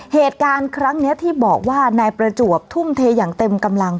เหตุการณ์ครั้งนี้ที่บอกว่านายประจวบทุ่มเทอย่างเต็มกำลัง